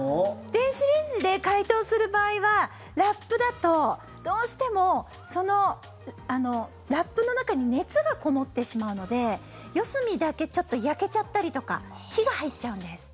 電子レンジで解凍する場合はラップだとどうしてもそのラップの中に熱がこもってしまうので四隅だけちょっと焼けちゃったりとか火が入っちゃうんです。